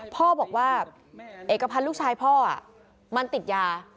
พ่อบอกว่าเอกพันธ์ลูกชายพ่อมันติดยา